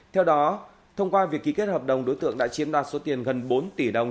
theo đó thông qua việc ký kết hợp đồng đối tượng đã chiếm đoạt số tiền gần bốn tỷ đồng